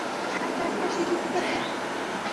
ancha achka shishi pukas tiyan